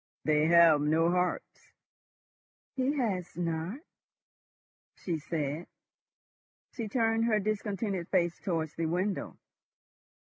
"They have no hearts." "He has not," she said. She turned her discontented face towards the window.